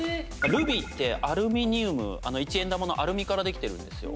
ルビーってアルミニウム一円玉のアルミからできてるんですよ。